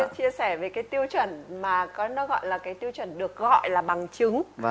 chia sẻ về cái tiêu chuẩn mà có nó gọi là cái tiêu chuẩn được gọi là bằng chứng